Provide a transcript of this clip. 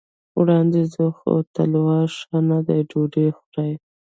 وړاندې ځو، خو تلوار ښه نه دی، ډوډۍ خورئ.